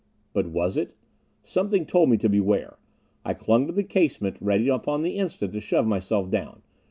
But was it? Something told me to beware. I clung to the casement, ready upon the instant to shove myself down.